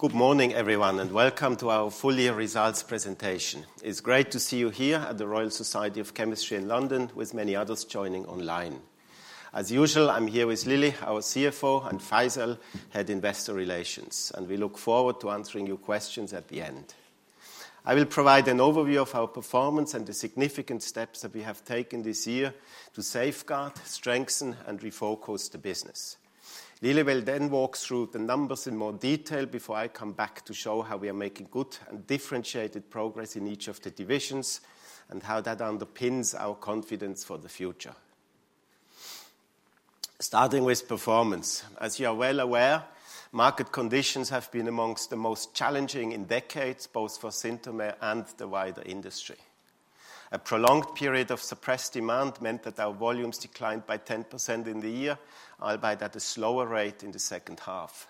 Good morning, everyone, and welcome to our full year results presentation. It's great to see you here at the Royal Society of Chemistry in London, with many others joining online. As usual, I'm here with Lily, our CFO, and Faisal, Head Investor Relations, and we look forward to answering your questions at the end. I will provide an overview of our performance and the significant steps that we have taken this year to safeguard, strengthen, and refocus the business. Lily will then walk through the numbers in more detail before I come back to show how we are making good and differentiated progress in each of the divisions, and how that underpins our confidence for the future. Starting with performance, as you are well aware, market conditions have been among the most challenging in decades, both for Synthomer and the wider industry. A prolonged period of suppressed demand meant that our volumes declined by 10% in the year, albeit at a slower rate in the second half.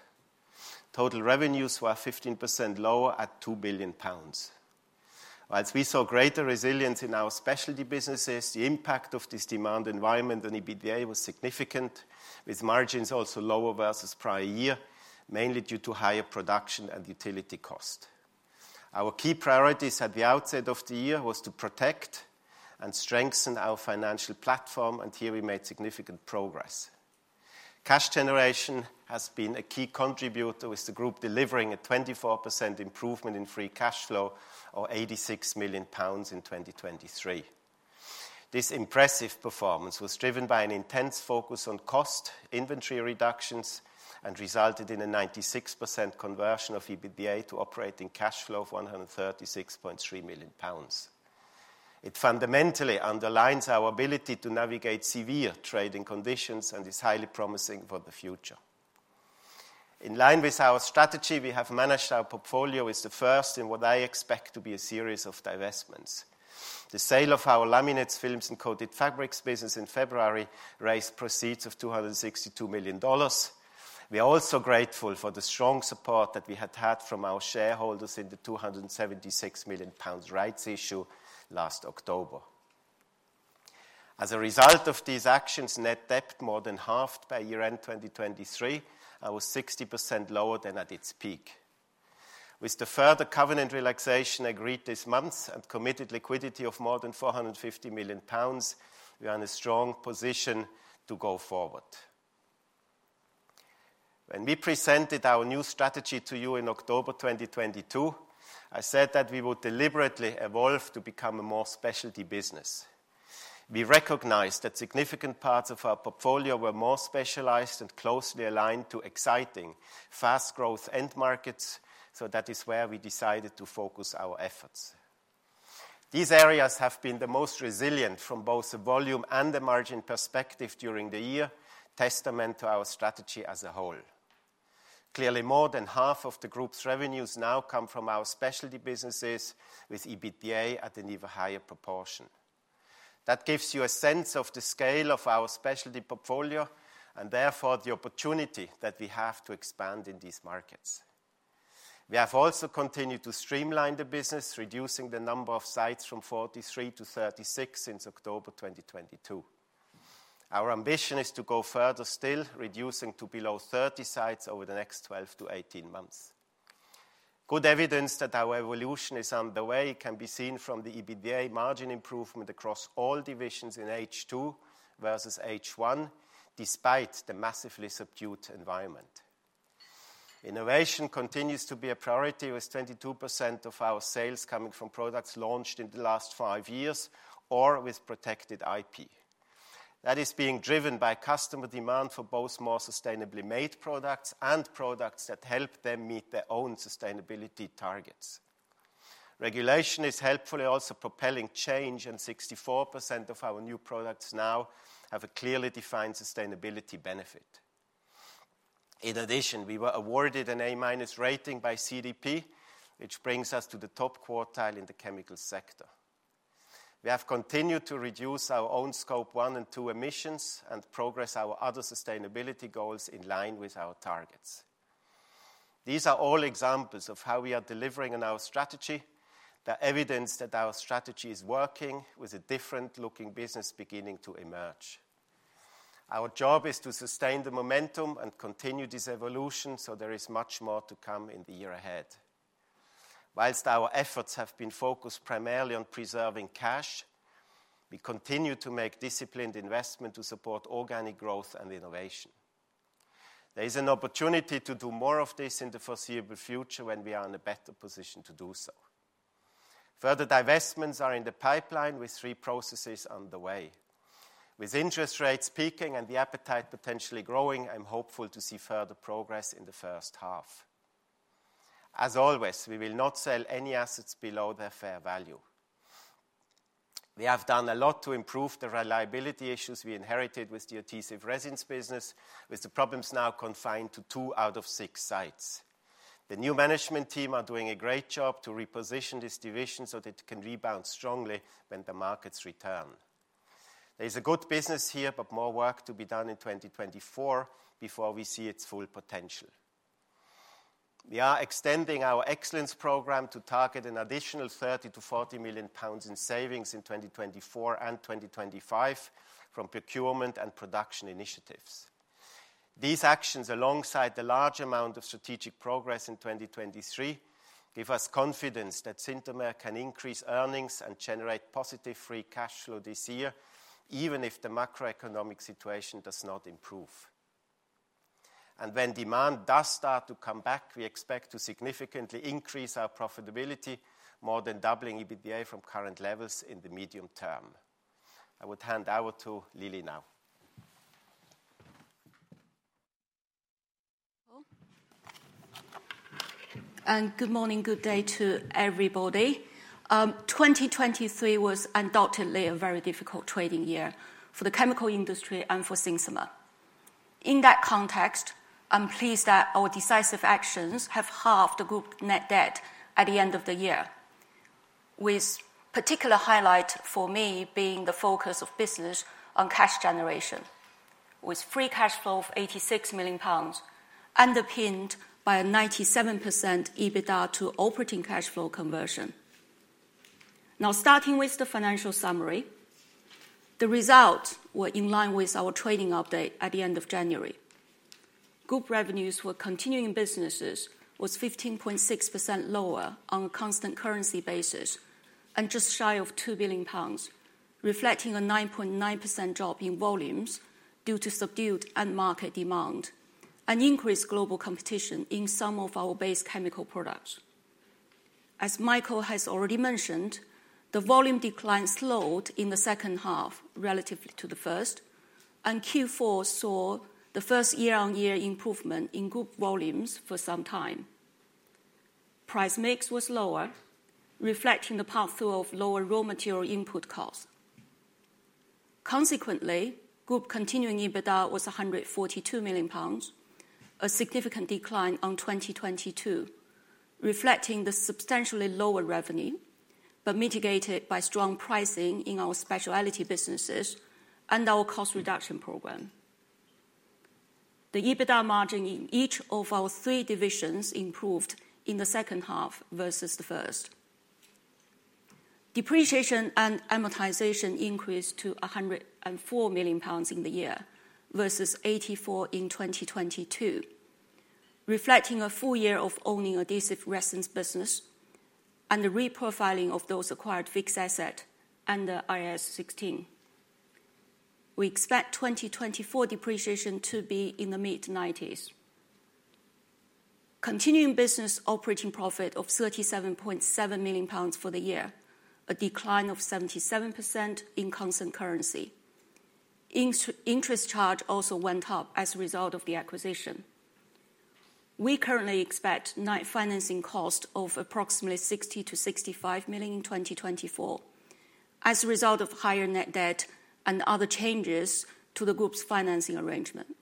Total revenues were 15% lower at 2 billion pounds. While we saw greater resilience in our specialty businesses, the impact of this demand environment on EBITDA was significant, with margins also lower versus prior year, mainly due to higher production and utility cost. Our key priorities at the outset of the year was to protect and strengthen our financial platform, and here we made significant progress. Cash generation has been a key contributor, with the group delivering a 24% improvement in free cash flow, or 86 million pounds in 2023. This impressive performance was driven by an intense focus on cost, inventory reductions, and resulted in a 96% conversion of EBITDA to operating cash flow of 136.3 million pounds. It fundamentally underlines our ability to navigate severe trading conditions and is highly promising for the future. In line with our strategy, we have managed our portfolio with the first in what I expect to be a series of divestments. The sale of our laminates, films and coated fabrics business in February raised proceeds of $262 million. We are also grateful for the strong support that we had had from our shareholders in the 276 million pounds rights issue last October. As a result of these actions, net debt more than halved by year-end 2023, and was 60% lower than at its peak. With the further covenant relaxation agreed this month and committed liquidity of more than 450 million pounds, we are in a strong position to go forward. When we presented our new strategy to you in October 2022, I said that we would deliberately evolve to become a more specialty business. We recognized that significant parts of our portfolio were more specialized and closely aligned to exciting, fast growth end markets, so that is where we decided to focus our efforts. These areas have been the most resilient from both a volume and a margin perspective during the year, testament to our strategy as a whole. Clearly, more than half of the group's revenues now come from our specialty businesses, with EBITDA at an even higher proportion. That gives you a sense of the scale of our specialty portfolio, and therefore the opportunity that we have to expand in these markets. We have also continued to streamline the business, reducing the number of sites from 43 to 36 since October 2022. Our ambition is to go further still, reducing to below 30 sites over the next 12 months-18 months. Good evidence that our evolution is underway can be seen from the EBITDA margin improvement across all divisions in H2 versus H1, despite the massively subdued environment. Innovation continues to be a priority, with 22% of our sales coming from products launched in the last five years or with protected IP. That is being driven by customer demand for both more sustainably made products and products that help them meet their own sustainability targets. Regulation is helpfully also propelling change, and 64% of our new products now have a clearly defined sustainability benefit. In addition, we were awarded an A- rating by CDP, which brings us to the top quartile in the chemical sector. We have continued to reduce our own Scope 1 and 2 emissions and progress our other sustainability goals in line with our targets. These are all examples of how we are delivering on our strategy, the evidence that our strategy is working with a different looking business beginning to emerge. Our job is to sustain the momentum and continue this evolution, so there is much more to come in the year ahead. While our efforts have been focused primarily on preserving cash, we continue to make disciplined investment to support organic growth and innovation. There is an opportunity to do more of this in the foreseeable future when we are in a better position to do so. Further divestments are in the pipeline with three processes on the way. With interest rates peaking and the appetite potentially growing, I'm hopeful to see further progress in the first half. As always, we will not sell any assets below their fair value. We have done a lot to improve the reliability issues we inherited with the adhesive resins business, with the problems now confined to two out of six sites. The new management team are doing a great job to reposition this division so that it can rebound strongly when the markets return. There is a good business here, but more work to be done in 2024 before we see its full potential. We are extending our excellence program to target an additional 30 million-40 million pounds in savings in 2024 and 2025 from procurement and production initiatives. These actions, alongside the large amount of strategic progress in 2023, give us confidence that Synthomer can increase earnings and generate positive free cash flow this year, even if the macroeconomic situation does not improve. And when demand does start to come back, we expect to significantly increase our profitability, more than doubling EBITDA from current levels in the medium term. I would hand over to Lily now. Hello, and good morning, good day to everybody. 2023 was undoubtedly a very difficult trading year for the chemical industry and for Synthomer. In that context, I'm pleased that our decisive actions have halved the group net debt at the end of the year, with particular highlight for me being the focus of business on cash generation, with free cash flow of 86 million pounds, underpinned by a 97% EBITDA to operating cash flow conversion. Now, starting with the financial summary, the results were in line with our trading update at the end of January. Group revenues for continuing businesses was 15.6% lower on a constant currency basis and just shy of 2 billion pounds, reflecting a 9.9% drop in volumes due to subdued end market demand and increased global competition in some of our base chemical products. As Michael has already mentioned, the volume decline slowed in the second half relative to the first, and Q4 saw the first year-on-year improvement in group volumes for some time. Price mix was lower, reflecting the pass-through of lower raw material input costs. Consequently, group continuing EBITDA was 142 million pounds, a significant decline on 2022, reflecting the substantially lower revenue, but mitigated by strong pricing in our specialty businesses and our cost reduction program. The EBITDA margin in each of our three divisions improved in the second half versus the first. Depreciation and amortization increased to 104 million pounds in the year, versus 84 million in 2022, reflecting a full year of owning Adhesive Resins business and the reprofiling of those acquired fixed asset under IAS 16. We expect 2024 depreciation to be in the mid-90s. Continuing business operating profit of 37.7 million pounds for the year, a decline of 77% in constant currency. Interest charge also went up as a result of the acquisition. We currently expect net financing cost of approximately 60 million-65 million in 2024 as a result of higher net debt and other changes to the group's financing arrangement.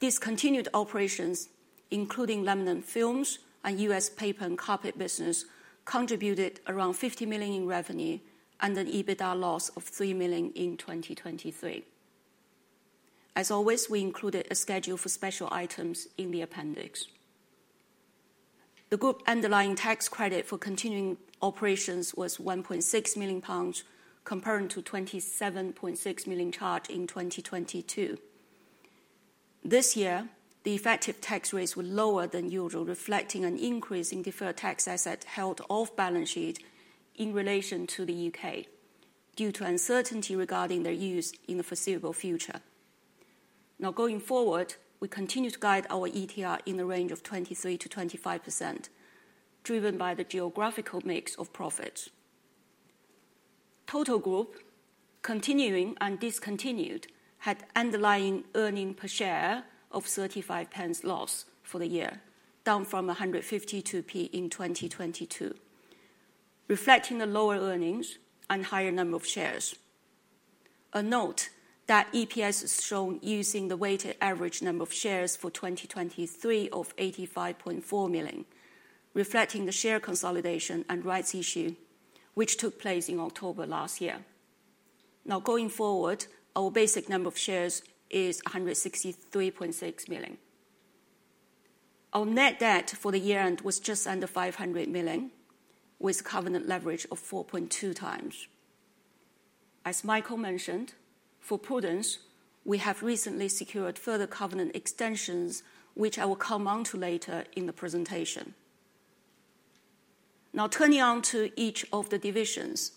Discontinued operations, including laminate films and US paper and carpet business, contributed around 50 million in revenue and an EBITDA loss of 3 million in 2023. As always, we included a schedule for special items in the appendix. The group underlying tax credit for continuing operations was 1.6 million pounds, comparing to 27.6 million charged in 2022. This year, the effective tax rates were lower than usual, reflecting an increase in deferred tax asset held off balance sheet in relation to the U.K. due to uncertainty regarding their use in the foreseeable future. Now, going forward, we continue to guide our ETR in the range of 23%-25%, driven by the geographical mix of profits. Total group, continuing and discontinued, had underlying earnings per share of 0.35 loss for the year, down from 1.52 in 2022, reflecting the lower earnings and higher number of shares. A note that EPS is shown using the weighted average number of shares for 2023 of 85.4 million, reflecting the share consolidation and rights issue which took place in October last year. Now, going forward, our basic number of shares is 163.6 million. Our net debt for the year end was just under 500 million, with covenant leverage of 4.2x. As Michael mentioned, for prudence, we have recently secured further covenant extensions, which I will come on to later in the presentation. Now, turning on to each of the divisions.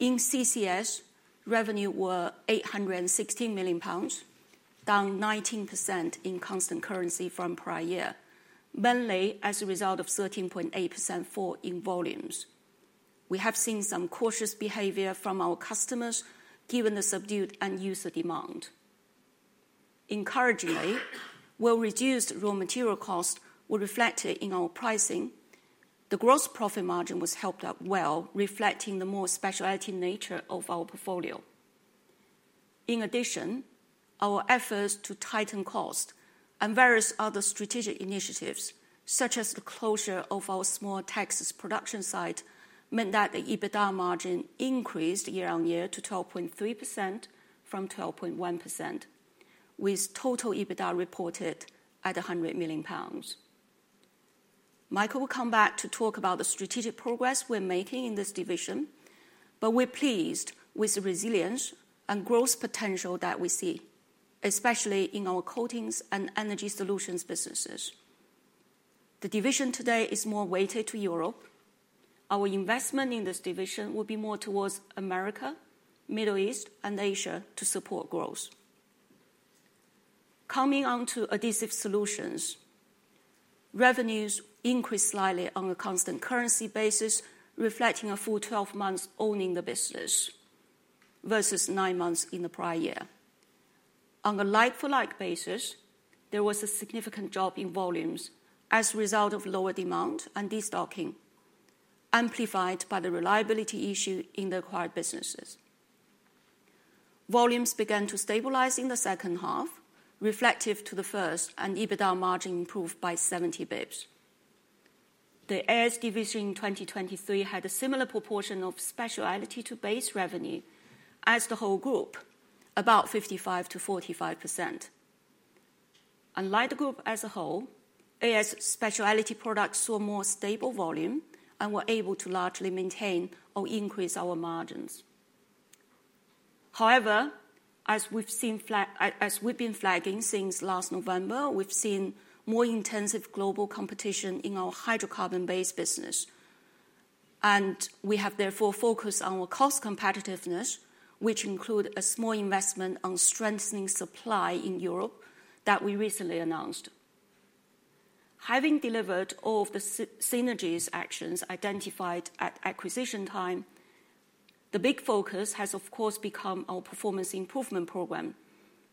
In CCS, revenue were 816 million pounds, down 19% in constant currency from prior year, mainly as a result of 13.8% fall in volumes. We have seen some cautious behavior from our customers, given the subdued end user demand. Encouragingly, while reduced raw material cost were reflected in our pricing, the gross profit margin was helped up well, reflecting the more specialty nature of our portfolio. In addition, our efforts to tighten cost and various other strategic initiatives, such as the closure of our small Texas production site, meant that the EBITDA margin increased year-on-year to 12.3% from 12.1%, with total EBITDA reported at 100 million pounds. Michael will come back to talk about the strategic progress we're making in this division, but we're pleased with the resilience and growth potential that we see, especially in our coatings and energy solutions businesses. The division today is more weighted to Europe. Our investment in this division will be more towards America, Middle East, and Asia to support growth. Coming on to Adhesive Solutions, revenues increased slightly on a constant currency basis, reflecting a full 12 months owning the business versus nine months in the prior year. On a like-for-like basis, there was a significant drop in volumes as a result of lower demand and destocking, amplified by the reliability issue in the acquired businesses. Volumes began to stabilize in the second half, reflective to the first, and EBITDA margin improved by 70 basis points. The AS division in 2023 had a similar proportion of specialty to base revenue as the whole group, about 55%-45%. Unlike the group as a whole, AS specialty products saw more stable volume and were able to largely maintain or increase our margins. However, as we've been flagging since last November, we've seen more intensive global competition in our hydrocarbon-based business, and we have therefore focused on our cost competitiveness, which include a small investment on strengthening supply in Europe that we recently announced. Having delivered all of the synergies actions identified at acquisition time, the big focus has, of course, become our performance improvement program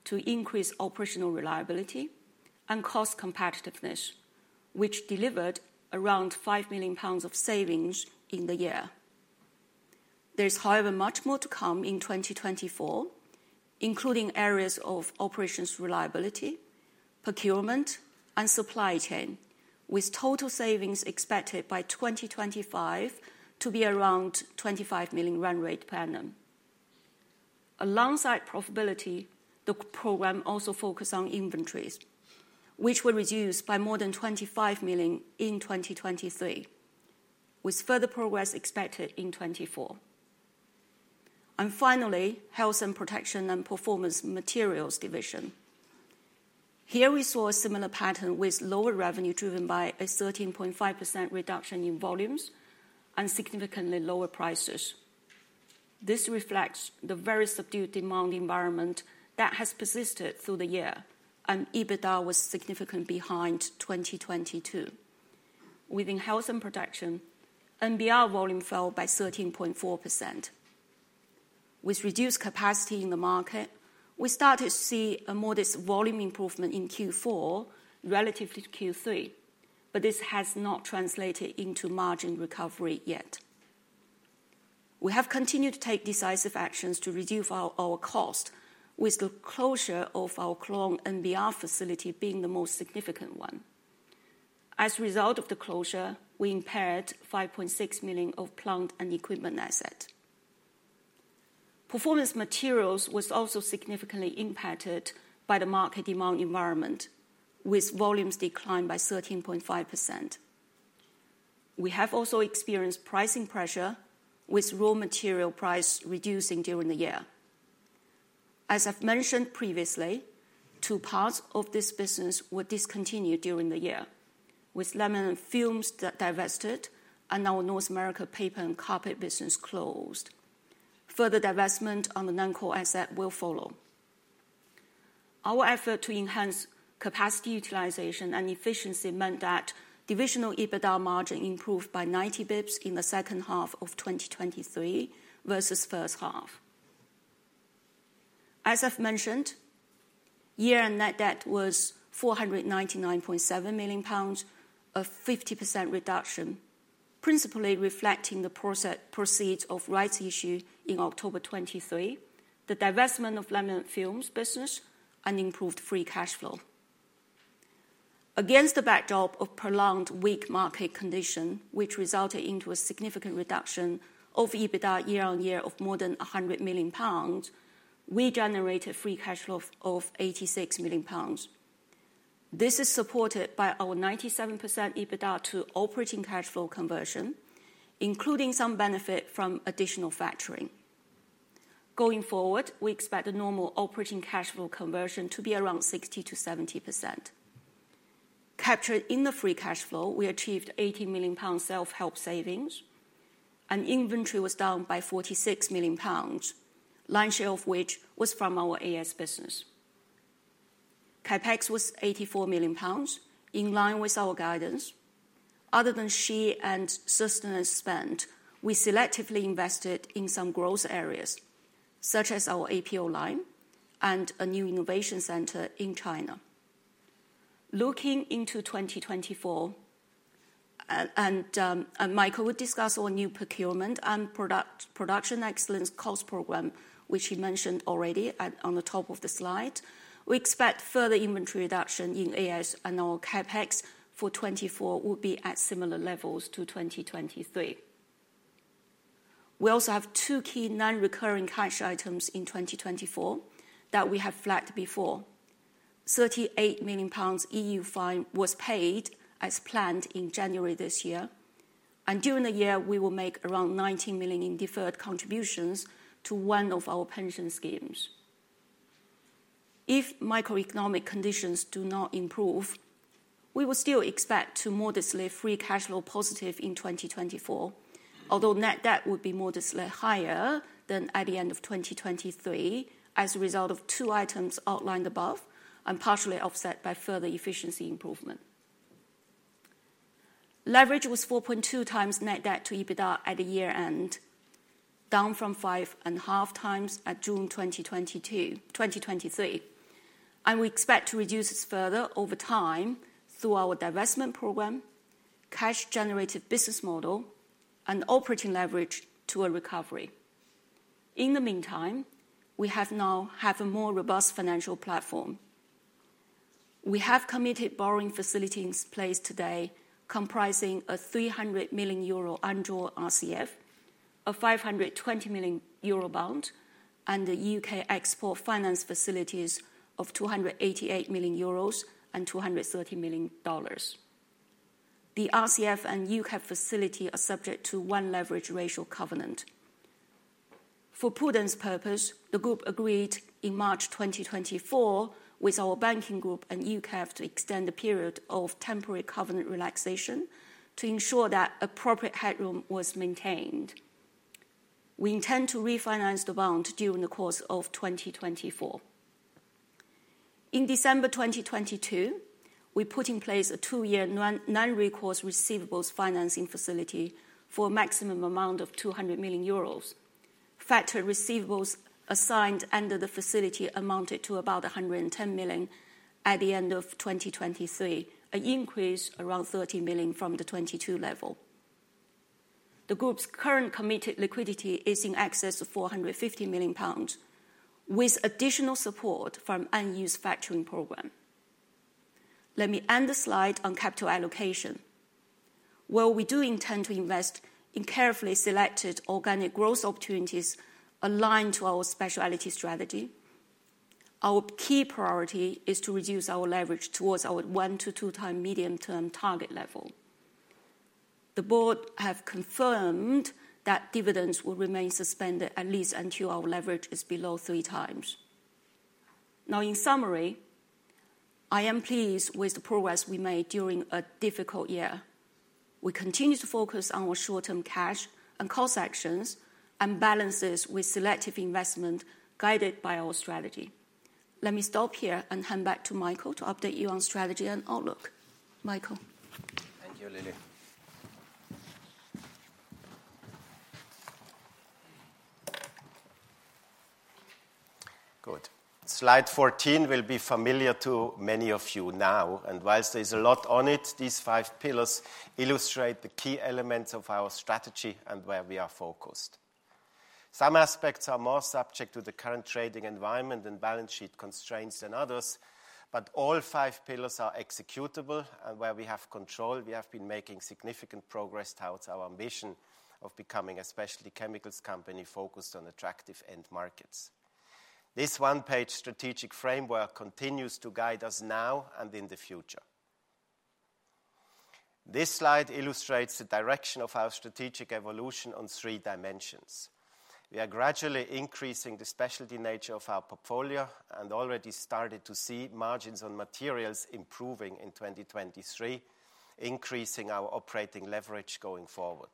to increase operational reliability and cost competitiveness, which delivered around 5 million pounds of savings in the year. There is, however, much more to come in 2024, including areas of operations reliability, procurement, and supply chain, with total savings expected by 2025 to be around 25 million run rate per annum. Alongside profitability, the program also focused on inventories, which were reduced by more than 25 million in 2023, with further progress expected in 2024. And finally, Health and Protection and Performance Materials Division. Here we saw a similar pattern with lower revenue, driven by a 13.5% reduction in volumes and significantly lower prices. This reflects the very subdued demand environment that has persisted through the year, and EBITDA was significantly behind 2022. Within Health and Protection, NBR volume fell by 13.4%. With reduced capacity in the market, we started to see a modest volume improvement in Q4 relative to Q3, but this has not translated into margin recovery yet. We have continued to take decisive actions to reduce our cost, with the closure of our Kluang NBR facility being the most significant one. As a result of the closure, we impaired 5.6 million of plant and equipment asset. Performance Materials was also significantly impacted by the market demand environment, with volumes declined by 13.5%. We have also experienced pricing pressure, with raw material price reducing during the year. As I've mentioned previously, two parts of this business were discontinued during the year, with laminate films divested and our North America paper and carpet business closed. Further divestment on the non-core asset will follow. Our effort to enhance capacity utilization and efficiency meant that divisional EBITDA margin improved by 90 basis points in the second half of 2023 versus first half. As I've mentioned, year-end net debt was 499.7 million pounds, a 50% reduction, principally reflecting the proceeds of rights issue in October 2023, the divestment of laminate films business, and improved free cash flow. Against the backdrop of prolonged weak market condition, which resulted into a significant reduction of EBITDA year-on-year of more than 100 million pounds, we generated free cash flow of 86 million pounds. This is supported by our 97% EBITDA to operating cash flow conversion, including some benefit from additional factoring. Going forward, we expect the normal operating cash flow conversion to be around 60%-70%. Captured in the free cash flow, we achieved 80 million pounds self-help savings, and inventory was down by 46 million pounds, lion's share of which was from our AS business. CapEx was 84 million pounds, in line with our guidance. Other than SHE and sustenance spend, we selectively invested in some growth areas, such as our APO line and a new innovation center in China. Looking into 2024, and Michael will discuss our new procurement and product, production excellence cost program, which he mentioned already at, on the top of the slide. We expect further inventory reduction in AS, and our CapEx for 2024 will be at similar levels to 2023. We also have two key non-recurring cash items in 2024 that we have flagged before. 38 million pounds EU fine was paid as planned in January this year, and during the year, we will make around 19 million in deferred contributions to one of our pension schemes. If microeconomic conditions do not improve, we will still expect to modestly free cash flow positive in 2024, although net debt would be modestly higher than at the end of 2023 as a result of two items outlined above and partially offset by further efficiency improvement. Leverage was 4.2x net debt to EBITDA at the year-end, down from 5.5x at June 2022, 2023, and we expect to reduce this further over time through our divestment program, cash-generated business model, and operating leverage to a recovery. In the meantime, we have a more robust financial platform. We have committed borrowing facilities in place today, comprising a 300 million euro undrawn RCF, a 520 million euro bond, and a U.K. Export Finance facilities of 288 million euros and $230 million. The RCF and UKEF facility are subject to one leverage ratio covenant. For prudence purpose, the group agreed in March 2024 with our banking group and UKEF to extend the period of temporary covenant relaxation to ensure that appropriate headroom was maintained. We intend to refinance the bond during the course of 2024. In December 2022, we put in place a two-year non-recourse receivables financing facility for a maximum amount of 200 million euros. Factored receivables assigned under the facility amounted to about 110 million at the end of 2023, an increase around 30 million from the 2022 level. The group's current committed liquidity is in excess of 450 million pounds, with additional support from unused factoring program. Let me end the slide on capital allocation. While we do intend to invest in carefully selected organic growth opportunities aligned to our specialty strategy, our key priority is to reduce our leverage towards our 1x-2x medium-term target level. The board have confirmed that dividends will remain suspended at least until our leverage is below 3x. Now, in summary, I am pleased with the progress we made during a difficult year. We continue to focus on our short-term cash and cost actions and balances with selective investment, guided by our strategy. Let me stop here and hand back to Michael to update you on strategy and outlook. Michael? Thank you, Lily. Good. Slide 14 will be familiar to many of you now, and while there's a lot on it, these five pillars illustrate the key elements of our strategy and where we are focused. Some aspects are more subject to the current trading environment and balance sheet constraints than others, but all five pillars are executable, and where we have control, we have been making significant progress towards our ambition of becoming a specialty chemicals company focused on attractive end markets. This one-page strategic framework continues to guide us now and in the future. This slide illustrates the direction of our strategic evolution on three dimensions. We are gradually increasing the specialty nature of our portfolio and already started to see margins on materials improving in 2023, increasing our operating leverage going forward.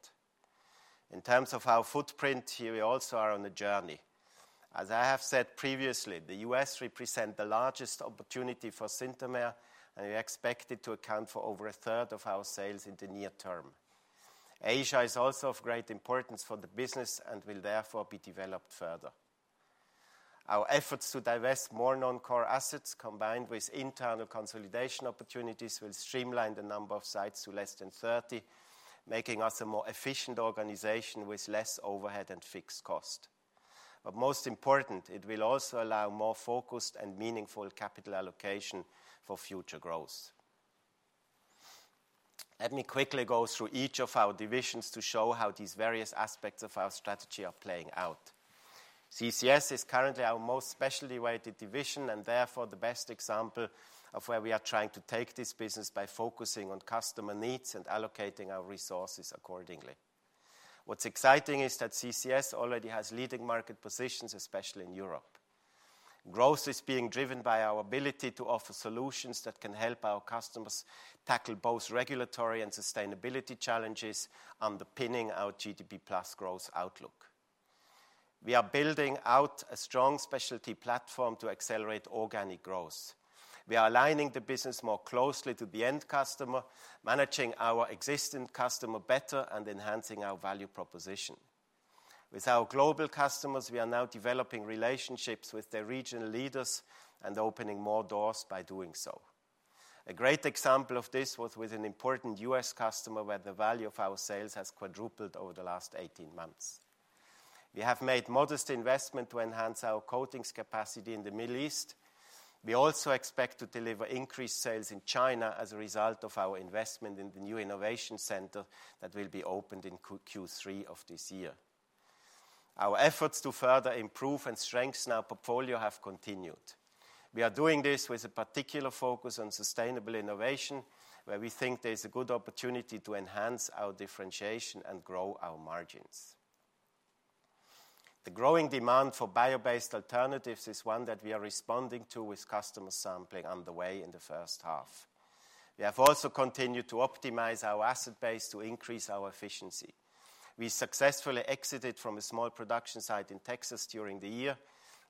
In terms of our footprint, here we also are on a journey. As I have said previously, the U.S. represent the largest opportunity for Synthomer, and we expect it to account for over a third of our sales in the near term. Asia is also of great importance for the business and will therefore be developed further. Our efforts to divest more non-core assets, combined with internal consolidation opportunities, will streamline the number of sites to less than 30, making us a more efficient organization with less overhead and fixed cost. But most important, it will also allow more focused and meaningful capital allocation for future growth. Let me quickly go through each of our divisions to show how these various aspects of our strategy are playing out. CCS is currently our most specialty-weighted division and therefore the best example of where we are trying to take this business by focusing on customer needs and allocating our resources accordingly. What's exciting is that CCS already has leading market positions, especially in Europe. Growth is being driven by our ability to offer solutions that can help our customers tackle both regulatory and sustainability challenges, underpinning our GDP plus growth outlook. We are building out a strong specialty platform to accelerate organic growth. We are aligning the business more closely to the end customer, managing our existing customer better, and enhancing our value proposition. With our global customers, we are now developing relationships with their regional leaders and opening more doors by doing so. A great example of this was with an important U.S. customer, where the value of our sales has quadrupled over the last 18 months. We have made modest investment to enhance our coatings capacity in the Middle East. We also expect to deliver increased sales in China as a result of our investment in the new innovation center that will be opened in Q3 of this year. Our efforts to further improve and strengthen our portfolio have continued. We are doing this with a particular focus on sustainable innovation, where we think there is a good opportunity to enhance our differentiation and grow our margins. The growing demand for bio-based alternatives is one that we are responding to with customer sampling on the way in the first half. We have also continued to optimize our asset base to increase our efficiency. We successfully exited from a small production site in Texas during the year.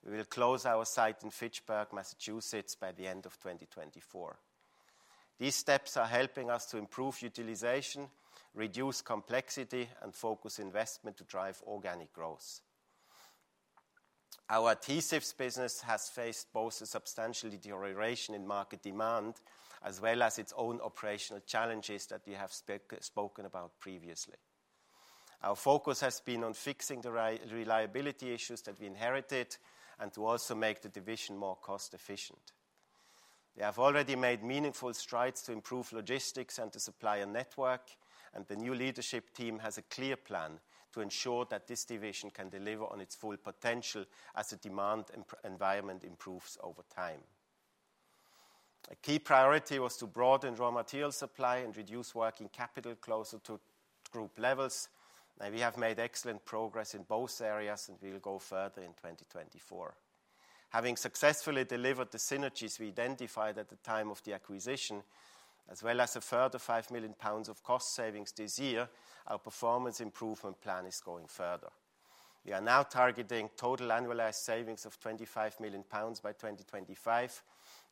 We will close our site in Fitchburg, Massachusetts, by the end of 2024. These steps are helping us to improve utilization, reduce complexity, and focus investment to drive organic growth. Our adhesives business has faced both a substantial deterioration in market demand, as well as its own operational challenges that we have spoken about previously. Our focus has been on fixing the reliability issues that we inherited and to also make the division more cost-efficient. We have already made meaningful strides to improve logistics and the supplier network, and the new leadership team has a clear plan to ensure that this division can deliver on its full potential as the demand environment improves over time. A key priority was to broaden raw material supply and reduce working capital closer to group levels, and we have made excellent progress in both areas, and we will go further in 2024. Having successfully delivered the synergies we identified at the time of the acquisition, as well as a further 5 million pounds of cost savings this year, our performance improvement plan is going further. We are now targeting total annualized savings of 25 million pounds by 2025,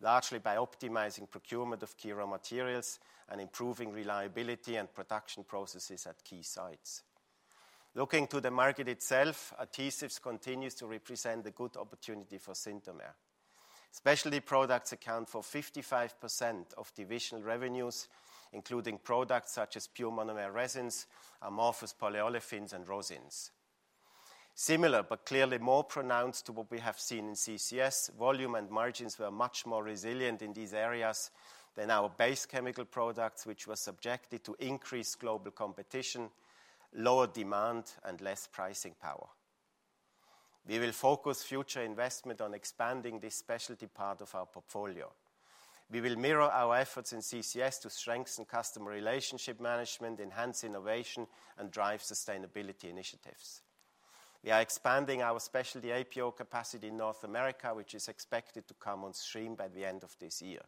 largely by optimizing procurement of key raw materials and improving reliability and production processes at key sites. Looking to the market itself, adhesives continues to represent a good opportunity for Synthomer. Specialty products account for 55% of divisional revenues, including products such as pure monomer resins, amorphous polyolefins, and rosins. Similar, but clearly more pronounced to what we have seen in CCS, volume and margins were much more resilient in these areas than our base chemical products, which were subjected to increased global competition, lower demand, and less pricing power. We will focus future investment on expanding this specialty part of our portfolio. We will mirror our efforts in CCS to strengthen customer relationship management, enhance innovation, and drive sustainability initiatives. We are expanding our specialty APO capacity in North America, which is expected to come on stream by the end of this year.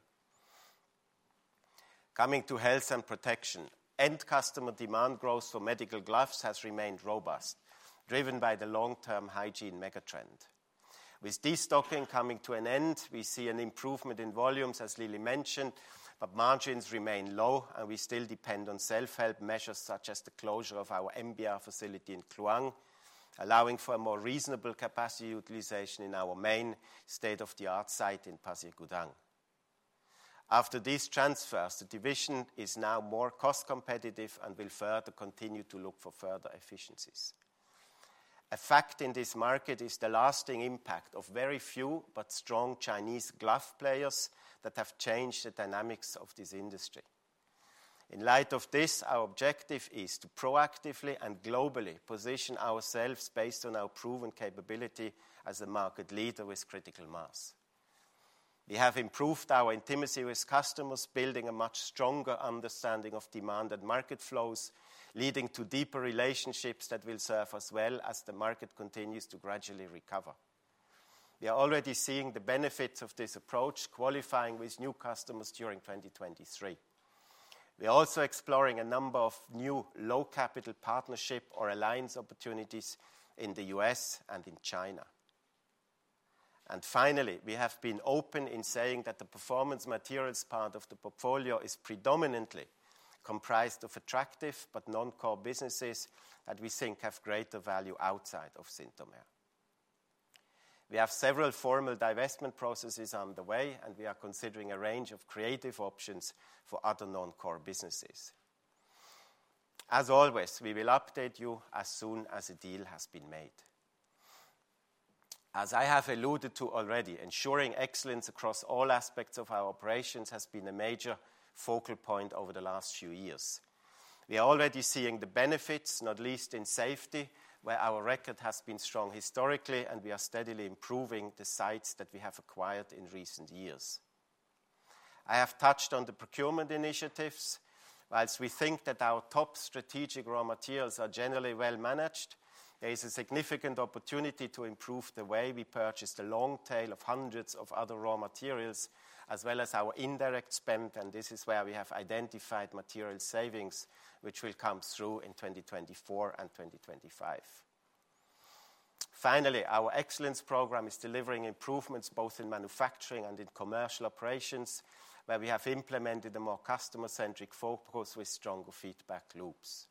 Coming to Health and Protection, end customer demand growth for medical gloves has remained robust, driven by the long-term hygiene mega trend. With destocking coming to an end, we see an improvement in volumes, as Lily mentioned, but margins remain low, and we still depend on self-help measures, such as the closure of our NBR facility in Kluang, allowing for a more reasonable capacity utilization in our main state-of-the-art site in Pasir Gudang. After these transfers, the division is now more cost competitive and will further continue to look for further efficiencies. A fact in this market is the lasting impact of very few, but strong Chinese glove players that have changed the dynamics of this industry. In light of this, our objective is to proactively and globally position ourselves based on our proven capability as a market leader with critical mass. We have improved our intimacy with customers, building a much stronger understanding of demand and market flows, leading to deeper relationships that will serve us well as the market continues to gradually recover. We are already seeing the benefits of this approach, qualifying with new customers during 2023. We are also exploring a number of new low-capital partnership or alliance opportunities in the U.S. and in China. And finally, we have been open in saying that the Performance Materials part of the portfolio is predominantly comprised of attractive but non-core businesses that we think have greater value outside of Synthomer. We have several formal divestment processes underway, and we are considering a range of creative options for other non-core businesses. As always, we will update you as soon as a deal has been made. As I have alluded to already, ensuring excellence across all aspects of our operations has been a major focal point over the last few years. We are already seeing the benefits, not least in safety, where our record has been strong historically, and we are steadily improving the sites that we have acquired in recent years. I have touched on the procurement initiatives. Whilst we think that our top strategic raw materials are generally well managed, there is a significant opportunity to improve the way we purchase the long tail of hundreds of other raw materials, as well as our indirect spend, and this is where we have identified material savings, which will come through in 2024 and 2025. Finally, our excellence program is delivering improvements both in manufacturing and in commercial operations, where we have implemented a more customer-centric focus with stronger feedback loops.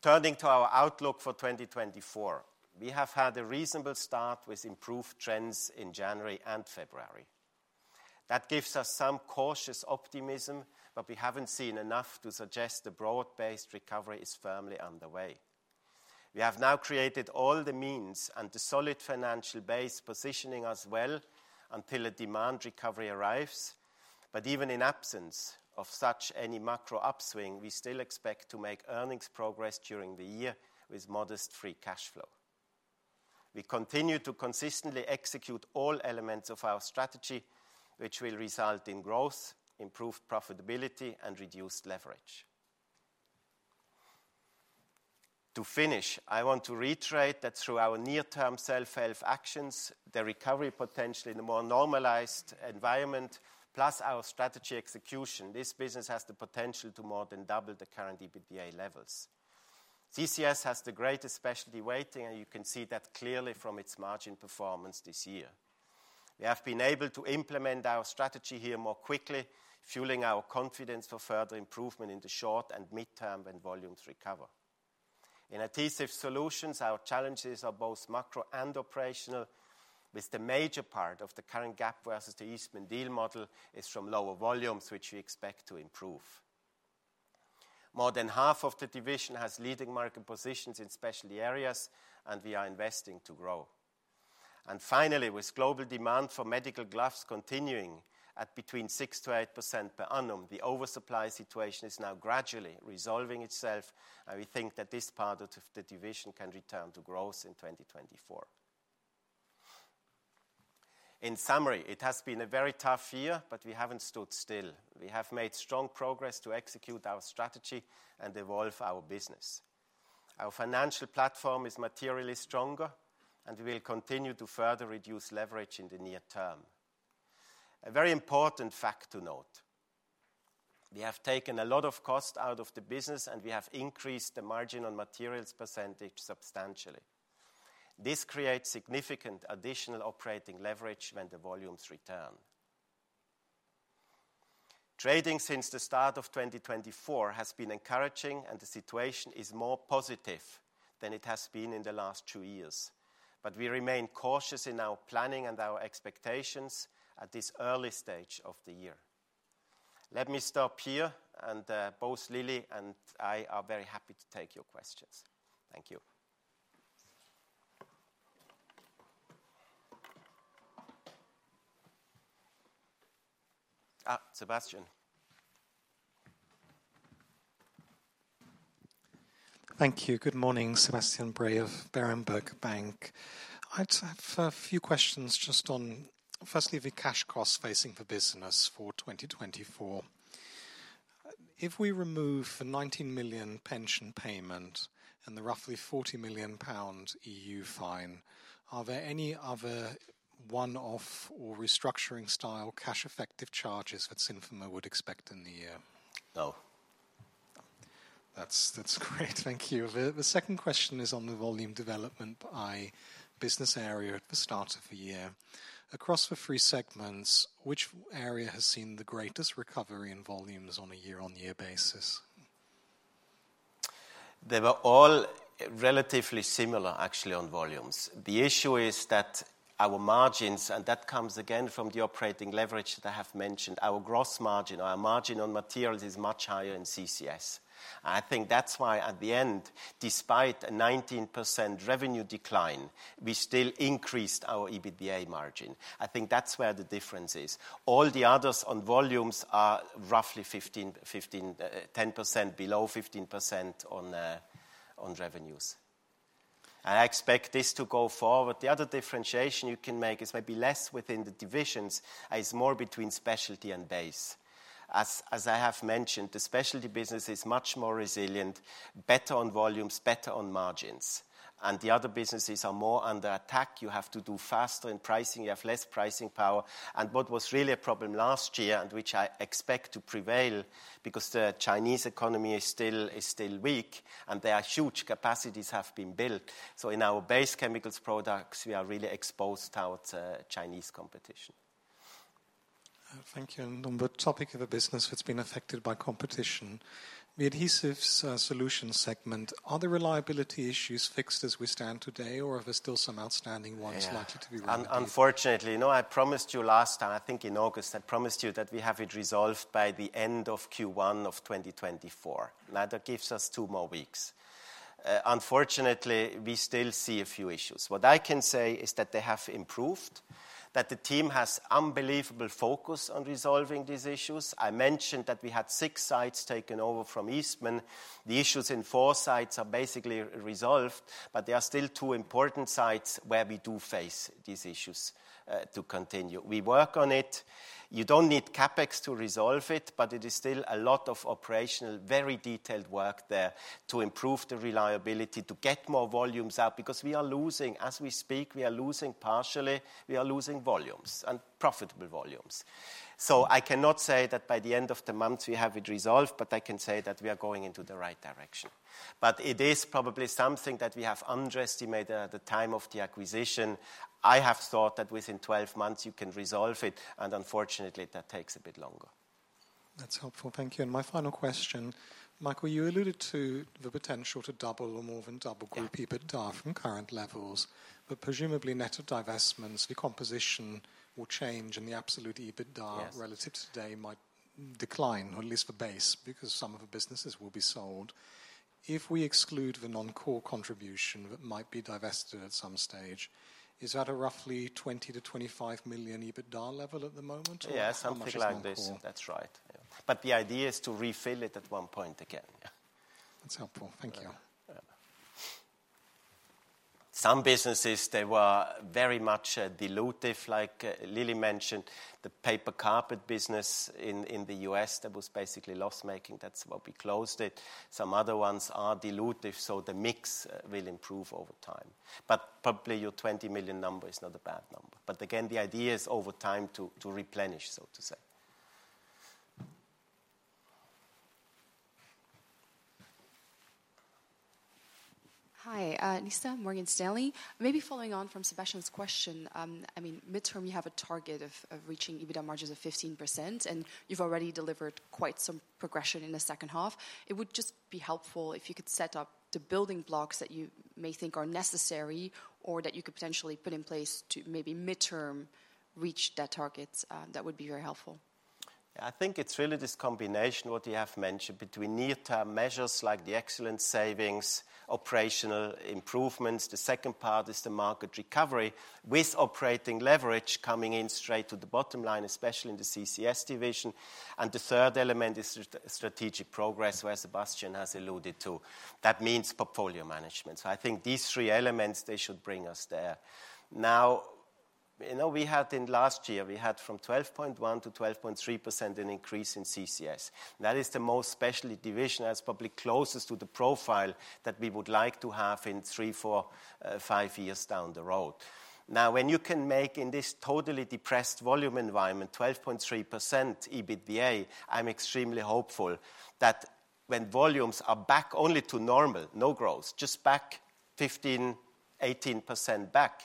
Turning to our outlook for 2024, we have had a reasonable start with improved trends in January and February. That gives us some cautious optimism, but we haven't seen enough to suggest a broad-based recovery is firmly underway. We have now created all the means and the solid financial base, positioning us well until a demand recovery arrives. But even in absence of such any macro upswing, we still expect to make earnings progress during the year with modest free cash flow. We continue to consistently execute all elements of our strategy, which will result in growth, improved profitability, and reduced leverage. To finish, I want to reiterate that through our near-term self-help actions, the recovery potential in a more normalized environment, plus our strategy execution, this business has the potential to more than double the current EBITDA levels. CCS has the greatest specialty weighting, and you can see that clearly from its margin performance this year. We have been able to implement our strategy here more quickly, fueling our confidence for further improvement in the short and mid-term when volumes recover. In Adhesive Solutions, our challenges are both macro and operational, with the major part of the current gap versus the Eastman deal model is from lower volumes, which we expect to improve. More than half of the division has leading market positions in specialty areas, and we are investing to grow. And finally, with global demand for medical gloves continuing at between 6%-8% per annum, the oversupply situation is now gradually resolving itself, and we think that this part of the division can return to growth in 2024. In summary, it has been a very tough year, but we haven't stood still. We have made strong progress to execute our strategy and evolve our business. Our financial platform is materially stronger, and we will continue to further reduce leverage in the near term. A very important fact to note: we have taken a lot of cost out of the business, and we have increased the margin on materials percentage substantially. This creates significant additional operating leverage when the volumes return. Trading since the start of 2024 has been encouraging, and the situation is more positive than it has been in the last two years, but we remain cautious in our planning and our expectations at this early stage of the year. Let me stop here, and both Lily and I are very happy to take your questions. Thank you. Sebastian. Thank you. Good morning, Sebastian Bray of Berenberg Bank. I'd have a few questions just on, firstly, the cash costs facing the business for 2024. If we remove the 19 million pension payment and the roughly 40 million pound EU fine, are there any other one-off or restructuring-style cash-effective charges that Synthomer would expect in the year? No. That's great. Thank you. The second question is on the volume development by business area at the start of the year. Across the three segments, which area has seen the greatest recovery in volumes on a year-on-year basis? They were all relatively similar, actually, on volumes. The issue is that our margins, and that comes again from the operating leverage that I have mentioned, our gross margin, our margin on materials is much higher in CCS. I think that's why, at the end, despite a 19% revenue decline, we still increased our EBITDA margin. I think that's where the difference is. All the others on volumes are roughly 15%, 15%, 10%, below 15% on revenues. I expect this to go forward. The other differentiation you can make is maybe less within the divisions and it's more between specialty and base. As, as I have mentioned, the specialty business is much more resilient, better on volumes, better on margins, and the other businesses are more under attack. You have to do faster in pricing. You have less pricing power. What was really a problem last year, and which I expect to prevail because the Chinese economy is still weak, and there are huge capacities have been built. So in our base chemicals products, we are really exposed towards Chinese competition. Thank you. And on the topic of a business that's been affected by competition, the Adhesive Solutions segment, are the reliability issues fixed as we stand today, or are there still some outstanding ones? Yeah likely to be resolved? Unfortunately, no. I promised you last time, I think in August, I promised you that we have it resolved by the end of Q1 of 2024. Now, that gives us two more weeks. Unfortunately, we still see a few issues. What I can say is that they have improved, that the team has unbelievable focus on resolving these issues. I mentioned that we had six sites taken over from Eastman. The issues in four sites are basically resolved, but there are still two important sites where we do face these issues to continue. We work on it. You don't need CapEx to resolve it, but it is still a lot of operational, very detailed work there to improve the reliability, to get more volumes out, because we are losing. As we speak, we are losing, partially, we are losing volumes and profitable volumes. So I cannot say that by the end of the month we have it resolved, but I can say that we are going into the right direction. But it is probably something that we have underestimated at the time of the acquisition. I have thought that within 12 months you can resolve it, and unfortunately, that takes a bit longer. That's helpful. Thank you. And my final question, Michael, you alluded to the potential to double or more than double- Yeah group EBITDA from current levels. But presumably, net of divestments, the composition will change, and the absolute EBITDA- Yes. Relative to today might decline, or at least the base, because some of the businesses will be sold. If we exclude the non-core contribution that might be divested at some stage, is that a roughly 20 million-25 million EBITDA level at the moment? Or how much is non-core? Yeah, something like this. That's right. Yeah. But the idea is to refill it at one point again. Yeah. That's helpful. Thank you. Yeah. Some businesses, they were very much dilutive, like Lily mentioned. The paper and carpet business in the U.S., that was basically loss-making. That's why we closed it. Some other ones are dilutive, so the mix will improve over time. But probably your 20 million number is not a bad number. But again, the idea is over time to replenish, so to say. Hi, Lisa, Morgan Stanley. Maybe following on from Sebastian's question, I mean, midterm, you have a target of reaching EBITDA margins of 15%, and you've already delivered quite some progression in the second half. It would just be helpful if you could set up the building blocks that you may think are necessary or that you could potentially put in place to maybe midterm reach that target. That would be very helpful. Yeah, I think it's really this combination, what you have mentioned, between near-term measures like the excellent savings, operational improvements. The second part is the market recovery, with operating leverage coming in straight to the bottom line, especially in the CCS division. And the third element is strategic progress, where Sebastian has alluded to. That means portfolio management. So I think these three elements, they should bring us there. Now, you know, we had in last year, we had from 12.1% to 12.3% an increase in CCS. That is the most specialty division that's probably closest to the profile that we would like to have in three years, four years, five years down the road. Now, when you can make in this totally depressed volume environment, 12.3% EBITDA, I'm extremely hopeful that when volumes are back only to normal, no growth, just back 15%-18% back,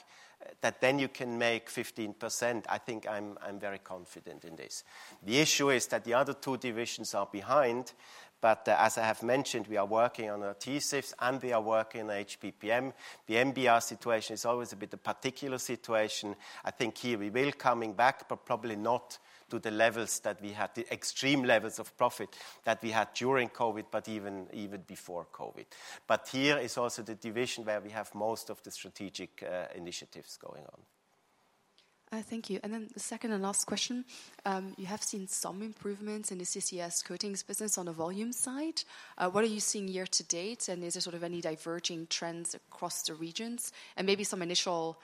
that then you can make 15%. I think I'm very confident in this. The issue is that the other two divisions are behind, but as I have mentioned, we are working on our TSIFs, and we are working on HPPM. The NBR situation is always a bit of particular situation. I think here we will coming back, but probably not to the levels that we had, the extreme levels of profit that we had during COVID, but even before COVID. But here is also the division where we have most of the strategic initiatives going on. Thank you. And then the second and last question. You have seen some improvements in the CCS coatings business on the volume side. What are you seeing year to date, and is there sort of any diverging trends across the regions? And maybe some initial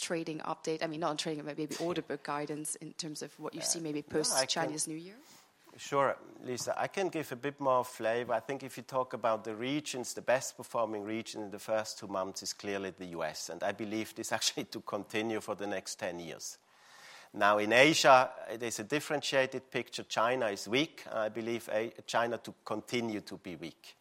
trading update. I mean, not on trading, but maybe order book guidance in terms of what you've seen maybe post-Chinese New Year. Sure, Lisa. I can give a bit more flavor. I think if you talk about the regions, the best performing region in the first two months is clearly the U.S., and I believe this actually to continue for the next 10 years. Now, in Asia, there's a differentiated picture. China is weak, and I believe China to continue to be weak.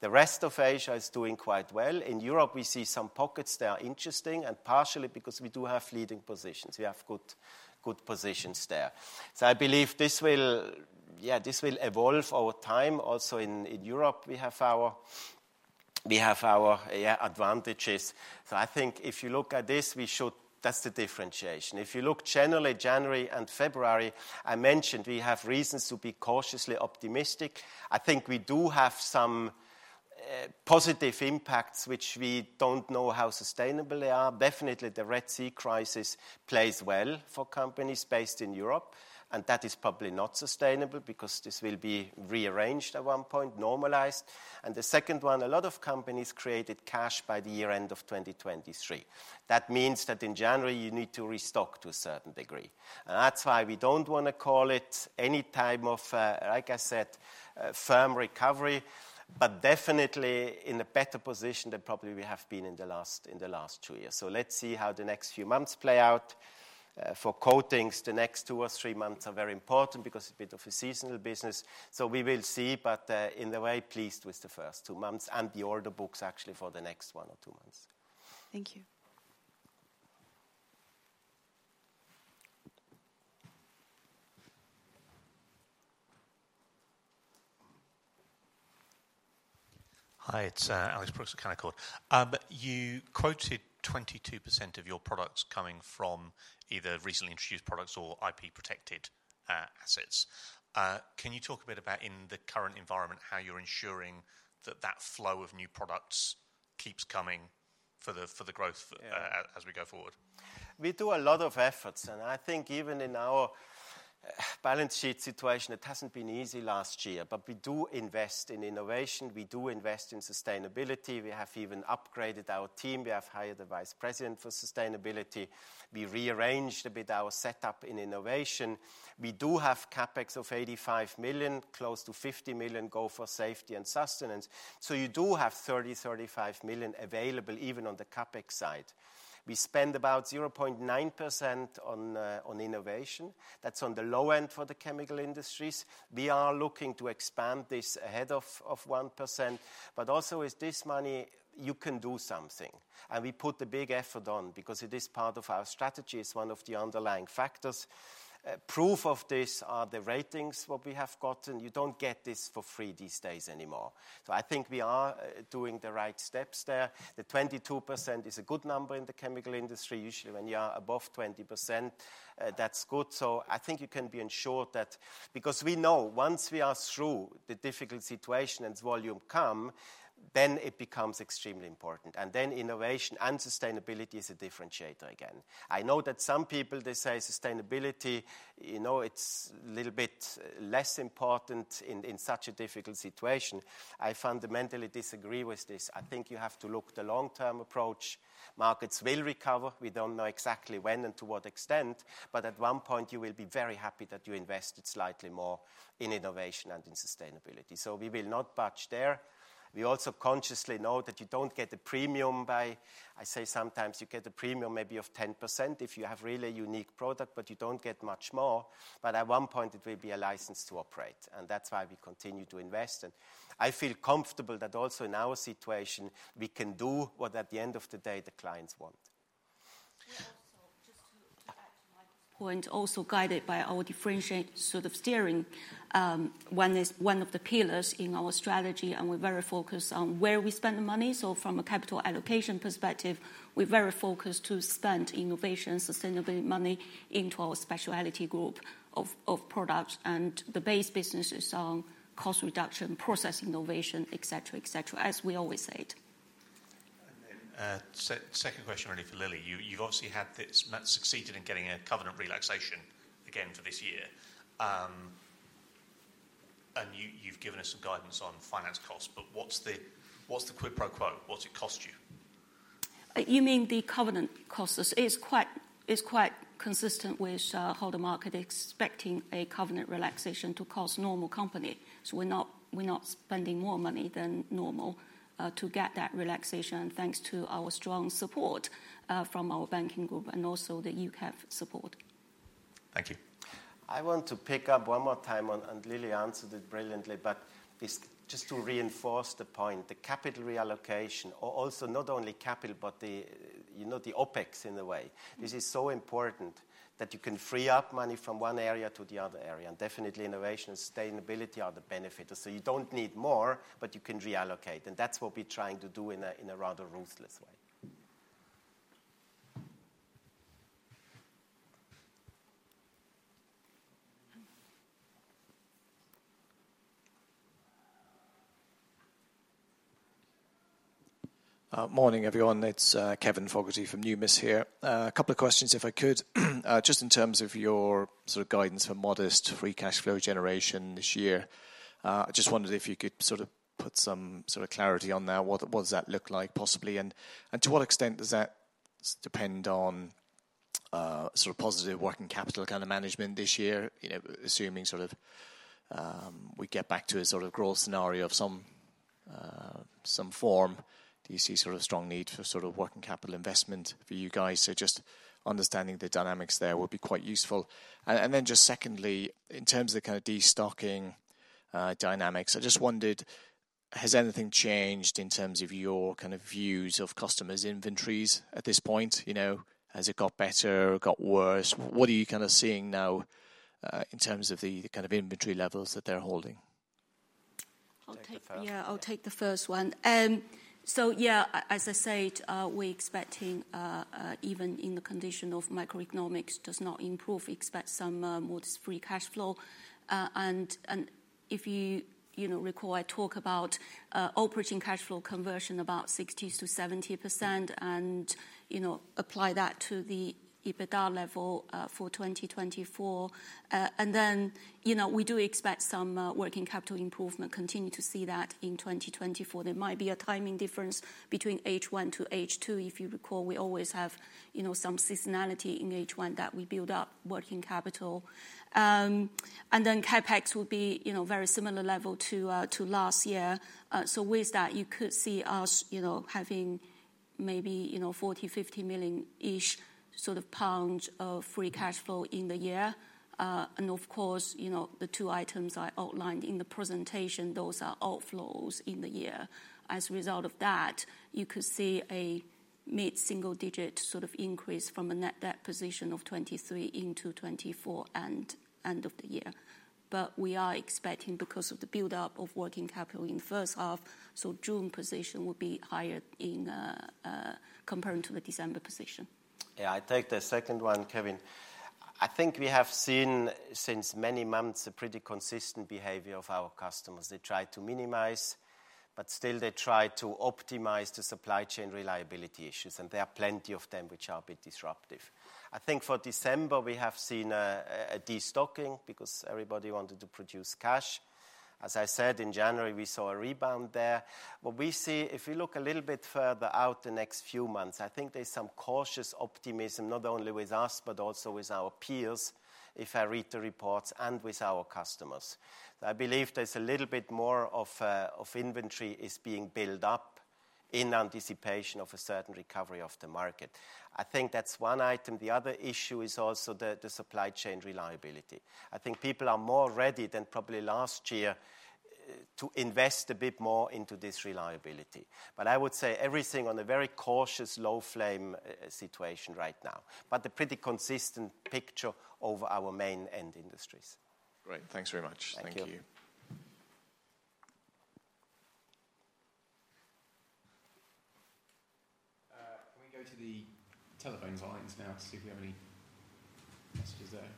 The rest of Asia is doing quite well. In Europe, we see some pockets that are interesting, and partially because we do have leading positions. We have good, good positions there. So I believe this will, yeah, this will evolve over time. Also in, in Europe, we have our, we have our, yeah, advantages. So I think if you look at this, we should. That's the differentiation. If you look generally, January and February, I mentioned we have reasons to be cautiously optimistic. I think we do have some positive impacts, which we don't know how sustainable they are. Definitely, the Red Sea crisis plays well for companies based in Europe, and that is probably not sustainable because this will be rearranged at one point, normalized. And the second one, a lot of companies created cash by the year end of 2023. That means that in January, you need to restock to a certain degree. And that's why we don't wanna call it any type of, like I said, firm recovery, but definitely in a better position than probably we have been in the last, in the last two years. So let's see how the next few months play out. For coatings, the next two or three months are very important because a bit of a seasonal business. We will see, but in a way pleased with the first two months and the order books actually for the next one or two months. Thank you. Hi, it's Alex Brooks at Canaccord. You quoted 22% of your products coming from either recently introduced products or IP-protected assets. Can you talk a bit about, in the current environment, how you're ensuring that that flow of new products keeps coming? for the, for the growth, as we go forward? We do a lot of efforts, and I think even in our balance sheet situation, it hasn't been easy last year, but we do invest in innovation. We do invest in sustainability. We have even upgraded our team. We have hired a vice president for sustainability. We rearranged a bit our setup in innovation. We do have CapEx of 85 million, close to 50 million go for safety and sustenance. So you do have 30 million-35 million available, even on the CapEx side. We spend about 0.9% on innovation. That's on the low end for the chemical industries. We are looking to expand this ahead of 1%. But also with this money, you can do something, and we put a big effort on because it is part of our strategy. It's one of the underlying factors. Proof of this are the ratings what we have gotten. You don't get this for free these days anymore. So I think we are doing the right steps there. The 22% is a good number in the chemical industry. Usually, when you are above 20%, that's good. So I think you can be ensured that—because we know once we are through the difficult situation and volume come, then it becomes extremely important, and then innovation and sustainability is a differentiator again. I know that some people, they say sustainability, you know, it's little bit less important in such a difficult situation. I fundamentally disagree with this. I think you have to look the long-term approach. Markets will recover. We don't know exactly when and to what extent, but at one point you will be very happy that you invested slightly more in innovation and in sustainability, so we will not budge there. We also consciously know that you don't get a premium by. I say sometimes you get a premium maybe of 10% if you have really unique product, but you don't get much more. But at one point it will be a license to operate, and that's why we continue to invest. And I feel comfortable that also in our situation, we can do what, at the end of the day, the clients want. We also, just to get back to Michael's point, also guided by our differentiated sort of steering, one of the pillars in our strategy, and we're very focused on where we spend the money. So from a capital allocation perspective, we're very focused to spend innovation, sustainability money into our specialty group of products. And the base business is on cost reduction, process innovation, et cetera, et cetera, as we always said. And then, second question really for Lily. You've obviously succeeded in getting a covenant relaxation again for this year. And you've given us some guidance on finance costs, but what's the quid pro quo? What's it cost you? You mean the covenant costs? It's quite consistent with how the market expecting a covenant relaxation to cost normal company. So we're not spending more money than normal to get that relaxation, thanks to our strong support from our banking group and also the UCAP support. Thank you. I want to pick up one more time on, and Lily answered it brilliantly, but this, just to reinforce the point, the capital reallocation, or also not only capital, but the, you know, the OpEx in a way. This is so important that you can free up money from one area to the other area, and definitely innovation and sustainability are the benefit. So you don't need more, but you can reallocate, and that's what we're trying to do in a, in a rather ruthless way. Morning, everyone. It's Kevin Fogarty from Numis here. A couple of questions, if I could. Just in terms of your sort of guidance for modest free cash flow generation this year, I just wondered if you could sort of put some sort of clarity on that. What does that look like, possibly? And to what extent does that depend on sort of positive working capital kind of management this year? You know, assuming sort of we get back to a sort of growth scenario of some form. Do you see sort of a strong need for sort of working capital investment for you guys? So just understanding the dynamics there would be quite useful. And then just secondly, in terms of the kind of destocking dynamics, I just wondered, has anything changed in terms of your kind of views of customers' inventories at this point? You know, has it got better or got worse? What are you kind of seeing now, in terms of the kind of inventory levels that they're holding? I'll take the- Take the first. Yeah, I'll take the first one. So yeah, as I said, we expect even if the macroeconomic conditions do not improve, we expect some modest free cash flow. And if you, you know, recall, I talked about operating cash flow conversion about 60%-70% and, you know, apply that to the EBITDA level for 2024. And then, you know, we do expect some working capital improvement, continue to see that in 2024. There might be a timing difference between H1 to H2. If you recall, we always have, you know, some seasonality in H1 that we build up working capital. And then CapEx will be, you know, very similar level to last year. So with that, you could see us, you know, having maybe, you know, 40 million-50 million-ish sort of free cash flow in the year. And of course, you know, the two items I outlined in the presentation, those are outflows in the year. As a result of that, you could see a mid-single digit sort of increase from a net debt position of 2023 into 2024, and end of the year. But we are expecting, because of the build-up of working capital in first half, so June position will be higher in, comparing to the December position. Yeah, I take the second one, Kevin. I think we have seen, since many months, a pretty consistent behavior of our customers. They try to minimize, but still they try to optimize the supply chain reliability issues, and there are plenty of them which are a bit disruptive. I think for December, we have seen a destocking because everybody wanted to produce cash. As I said, in January, we saw a rebound there. What we see, if we look a little bit further out the next few months, I think there's some cautious optimism, not only with us, but also with our peers, if I read the reports, and with our customers. I believe there's a little bit more of inventory is being built up in anticipation of a certain recovery of the market. I think that's one item. The other issue is also the supply chain reliability. I think people are more ready than probably last year to invest a bit more into this reliability. But I would say everything on a very cautious, low-flame situation right now, but a pretty consistent picture over our main end industries. Great. Thanks very much. Thank you. Thank you. Can we go to the telephone lines now to see if we have any messages there?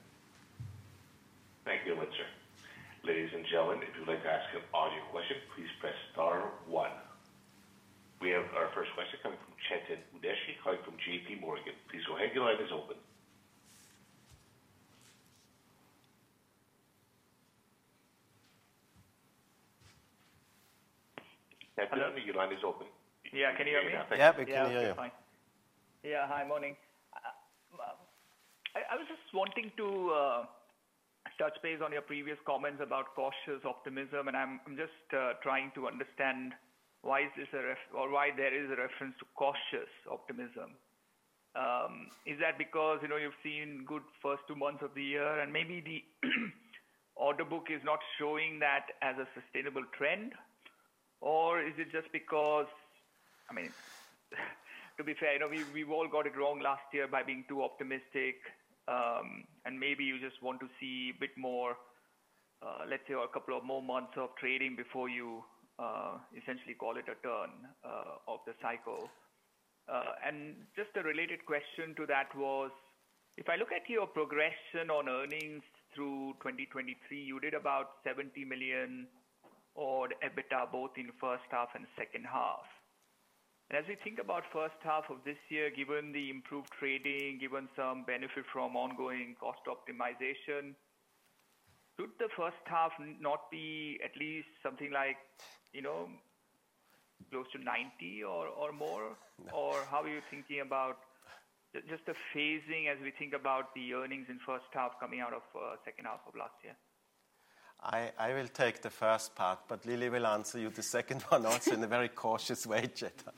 Thank you, Windsor. Ladies and gentlemen, if you'd like to ask an audio question, please press star one. We have our first question coming from Chetan Udeshi calling from JPMorgan. Please go ahead. Your line is open. Chetan, your line is open. Yeah, can you hear me? Yeah, we can hear you. Yeah, fine. Yeah. Hi, morning. I was just wanting to touch base on your previous comments about cautious optimism, and I'm just trying to understand why is this a reference or why there is a reference to cautious optimism. Is that because, you know, you've seen good first two months of the year, and maybe the order book is not showing that as a sustainable trend? Or is it just because, I mean, to be fair, you know, we've all got it wrong last year by being too optimistic, and maybe you just want to see a bit more, let's say, or a couple of more months of trading before you essentially call it a turn of the cycle. And just a related question to that was, if I look at your progression on earnings through 2023, you did about 70 million of EBITDA, both in the first half and second half. And as we think about first half of this year, given the improved trading, given some benefit from ongoing cost optimization, could the first half not be at least something like, you know, close to 90 or, or more? Or how are you thinking about just the phasing as we think about the earnings in first half coming out of second half of last year? I will take the first part, but Lily will answer you the second one also in a very cautious way, Chetan.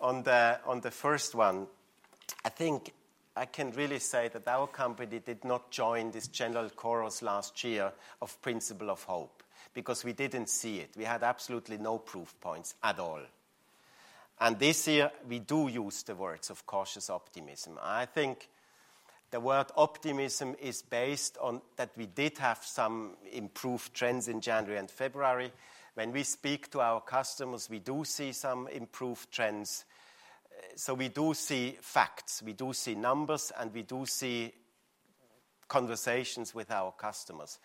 On the first one, I think I can really say that our company did not join this general chorus last year of principle of hope, because we didn't see it. We had absolutely no proof points at all. And this year, we do use the words of cautious optimism. I think the word optimism is based on that we did have some improved trends in January and February. When we speak to our customers, we do see some improved trends. So we do see facts, we do see numbers, and we do see conversations with our customers.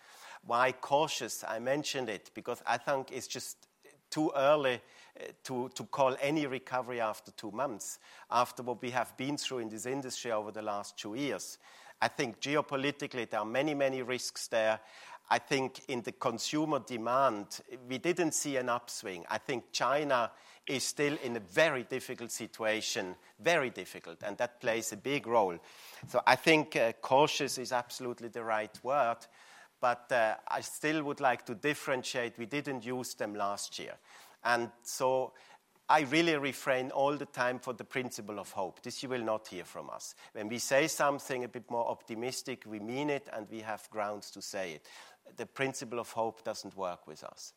Why cautious? I mentioned it because I think it's just too early to call any recovery after two months, after what we have been through in this industry over the last two years. I think geopolitically, there are many, many risks there. I think in the consumer demand, we didn't see an upswing. I think China is still in a very difficult situation, very difficult, and that plays a big role. So I think cautious is absolutely the right word, but I still would like to differentiate, we didn't use them last year. And so I really refrain all the time for the principle of hope. This you will not hear from us. When we say something a bit more optimistic, we mean it, and we have grounds to say it. The principle of hope doesn't work with us.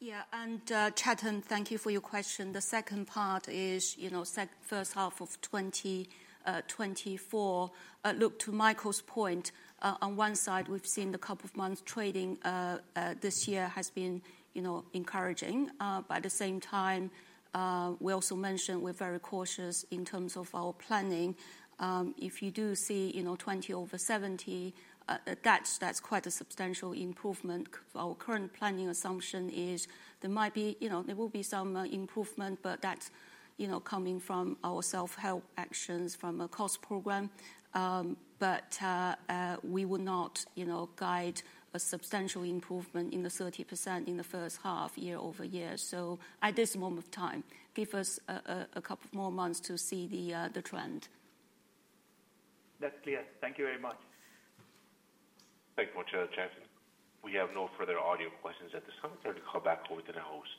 Yeah, and, Chetan, thank you for your question. The second part is, you know, first half of 2024. Look, to Michael's point, on one side, we've seen the couple of months trading this year has been, you know, encouraging. But at the same time, we also mentioned we're very cautious in terms of our planning. If you do see, you know, 20 over 70, that's, that's quite a substantial improvement. Our current planning assumption is there might be. You know, there will be some improvement, but that's, you know, coming from our self-help actions from a cost program. But we would not, you know, guide a substantial improvement in the 30% in the first half year-over-year. So at this moment of time, give us a couple more months to see the trend. That's clear. Thank you very much. Thank you much, Chetan. We have no further audio questions at this time. I'll turn it back over to the hosts.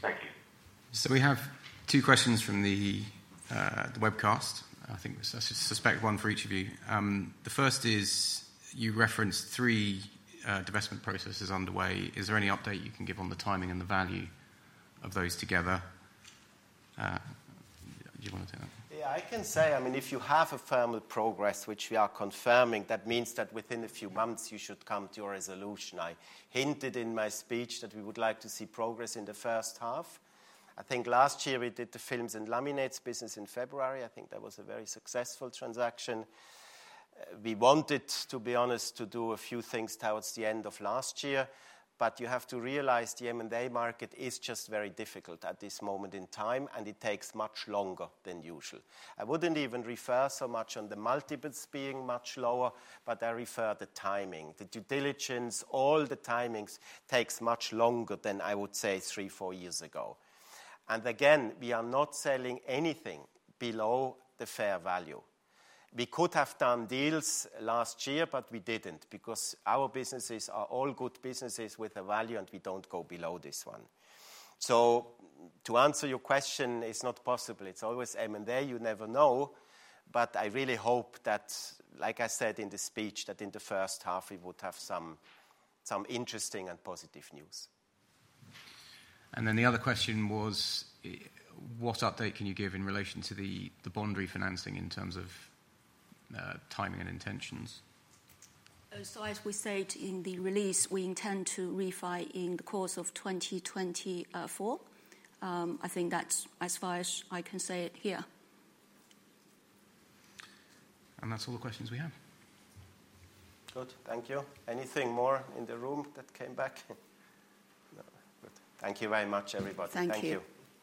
Thank you. We have two questions from the webcast. I think, I suspect one for each of you. The first is, you referenced three divestment processes underway. Is there any update you can give on the timing and the value of those together? Do you wanna take that? Yeah, I can say, I mean, if you have a firm with progress, which we are confirming, that means that within a few months, you should come to a resolution. I hinted in my speech that we would like to see progress in the first half. I think last year we did the films and laminates business in February. I think that was a very successful transaction. We wanted, to be honest, to do a few things towards the end of last year, but you have to realize the M&A market is just very difficult at this moment in time, and it takes much longer than usual. I wouldn't even refer so much on the multiples being much lower, but I refer the timing. The due diligence, all the timings, takes much longer than I would say three years, four years ago. Again, we are not selling anything below the fair value. We could have done deals last year, but we didn't, because our businesses are all good businesses with a value, and we don't go below this one. So to answer your question, it's not possible. It's always M&A, you never know. But I really hope that, like I said in the speech, that in the first half, we would have some, some interesting and positive news. The other question was, what update can you give in relation to the bond refinancing in terms of timing and intentions? As we said in the release, we intend to refi in the course of 2024. I think that's as far as I can say it here. That's all the questions we have. Good. Thank you. Anything more in the room that came back? Good. Thank you very much, everybody. Thank you. Thank you.